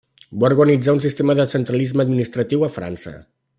Va organitzar un sistema de centralisme administratiu a França.